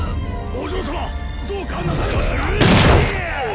お嬢様どうかなされましたかッ！